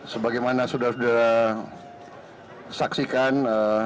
sebagaimana sudah sudah saksikan